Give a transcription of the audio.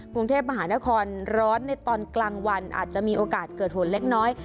กรุงเทพมหานครร้อนในตอนกลางวันอาจจะมีโอกาสเกิดฝนเล็กน้อย